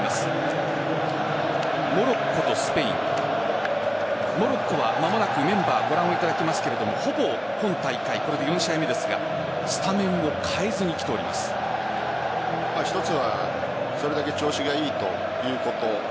モロッコとスペインモロッコは間もなくメンバーご覧いただきますがほぼ今大会これで４試合目ですが一つはそれだけ調子がいいということ。